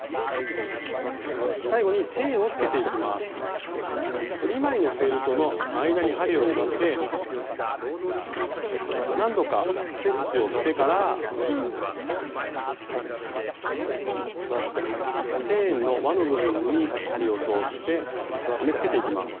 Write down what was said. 最後に２枚のフェルトの間に針を入れて何度かステッチをしてからチェーンの輪の部分に針を通して留めつけていきます。